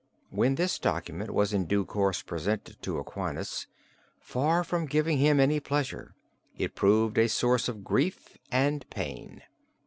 When this document was in due course presented to Aquinas, far from giving him any pleasure it proved a source of grief and pain.